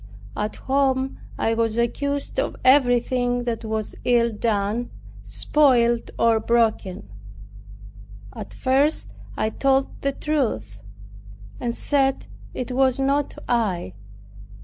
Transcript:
At home, I was accused of everything that was ill done, spoiled or broken. At first I told the truth, and said it was not I.